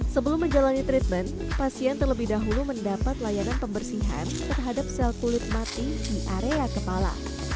sebelum menjalani treatment pasien terlebih dahulu mendapat layanan pembersihan terhadap sel kulit mati di area kepala